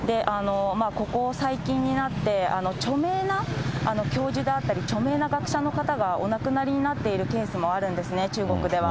ここ最近になって、著名な教授であったり、著名な学者の方がお亡くなりになっているケースもあるんですね、中国では。